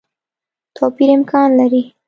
توپیر امکان لري.